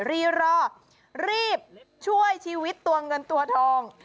รีรอรีบช่วยชีวิตตัวเงินตัวทอง